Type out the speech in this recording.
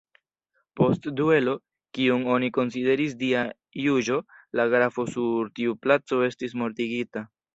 Post duelo, kiun oni konsideris Dia juĝo, la grafo sur tiu placo estis mortigita.